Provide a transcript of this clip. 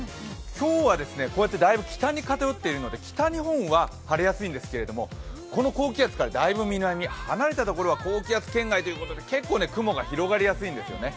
今日はだいぶ北に偏っているので北日本は晴れやすいんですけど、この高気圧からだいぶ南、離れたところは高気圧圏外ということで、結構雲が広がりやすいんですよね。